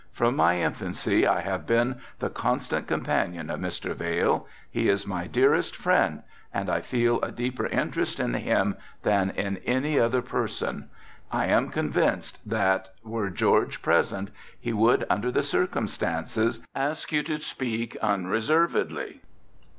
From my infancy I have been the constant companion of Mr. Vail, he is my dearest friend and I feel a deeper interest in him than in any other person. I am convinced that were George present he would, under the circumstances, ask you to speak unreservedly."